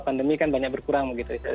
pandemi kan banyak berkurang begitu